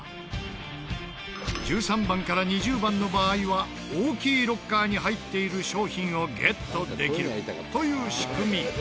１３番から２０番の場合は大きいロッカーに入っている商品をゲットできるという仕組み。